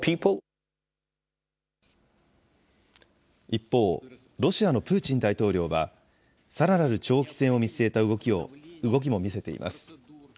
一方、ロシアのプーチン大統領は、さらなる長期戦を見据えた動きも見せています。